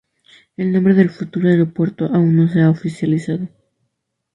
El nombre del futuro aeropuerto aún no se ha oficializado.